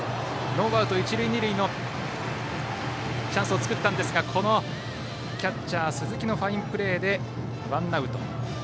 ノーアウト一塁二塁のチャンスを作ったんですがキャッチャー鈴木のファインプレーでワンアウト。